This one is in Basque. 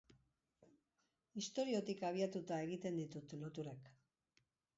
Istoriotik abiatuta egiten ditut loturak.